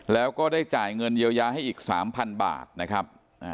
แล้วก็ได้จ่ายเงินเยียวยาให้อีก๓๐๐บาทนะครับ